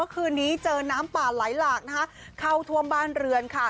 คืนนี้เจอน้ำป่าไหลหลากนะคะเข้าท่วมบ้านเรือนค่ะ